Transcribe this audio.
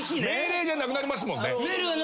命令じゃなくなりますもんね。